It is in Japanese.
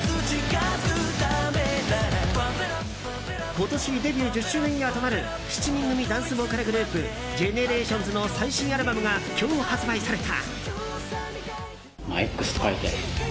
今年デビュー１０周年イヤーとなる７人組ダンスボーカルグループＧＥＮＥＲＡＴＩＯＮＳの最新アルバムが今日、発売された。